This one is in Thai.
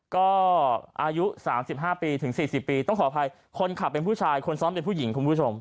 ก็อายุ๓๕ปีถึง๔๐ปีต้องขออภัยคนขับเป็นผู้ชายคนซ้อมเป็นผู้หญิงคุณผู้ชม